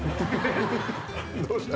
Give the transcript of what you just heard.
どうした？